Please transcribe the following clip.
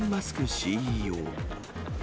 ＣＥＯ。